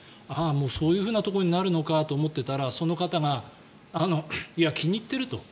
もうそういうふうなところになるのかと思っていたらその方がいや、気に入っていると。